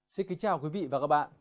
xin kính chào quý vị và các bạn